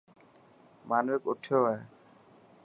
مانوڪ اٿيو هو.